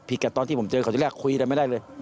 เพียงแต่ตอนที่ผมเจอเขาที่แรกคุยกันไม่ได้เลย